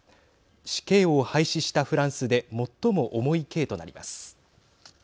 死刑を廃止したフランスで最も重い刑となります。